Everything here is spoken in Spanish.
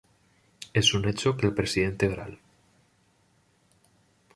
Es un hecho que el presidente Gral.